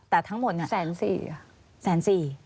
แต่ทั้งหมดแสนสี่